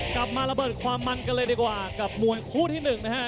กลับมาระเบิดความมันกันเลยดีกว่ากับมวยคู่ที่หนึ่งนะฮะ